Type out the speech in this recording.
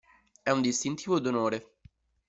È un distintivo d'onore.